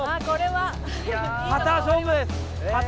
これは。